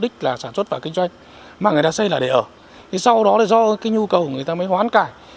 các nhu cầu người ta mới hoãn cải